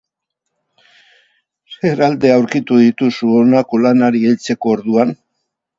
Zer alde aurkitu dituzu honako lanari heltzeko orduan?